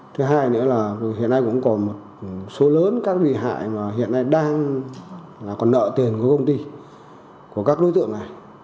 thứ hai nữa là hiện nay cũng còn một số lớn các bị hại mà hiện nay đang còn nợ tiền của công ty của các đối tượng này